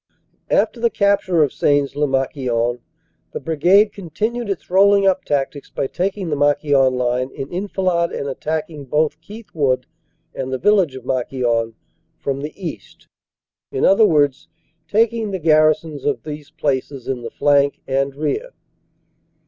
After the capture of Sains lez Marquion the Brigade continued its "rolling up" tactics by taking the Marquion line in enfilade and attacking both Keith Wood and the village of Marquion from the east in other words, taking the garrisons of these places in the flank and rear.